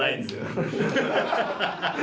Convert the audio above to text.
ハハハハ。